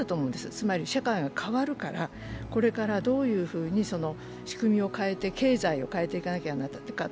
つまり社会が変わるからこれからどういうふうに仕組みを変えて経済を変えていかなきゃならないか。